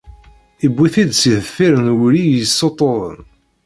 Iwwi-t-id si deffir n wulli i yessuṭṭuḍen.